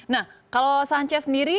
nah kalau sanchez sendiri